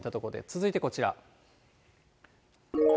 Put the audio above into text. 続いてこちら。